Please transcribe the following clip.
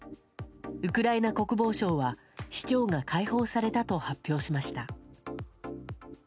ウクライナ国防省は市長が解放されたと発表しました。